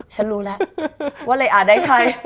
ฉันรู้แล้วว่าเลยอาจได้ใคร